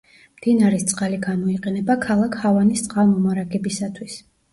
მდინარის წყალი გამოიყენება ქალაქ ჰავანის წყალმომარაგებისათვის.